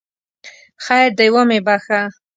خیر دی ومې بخښه!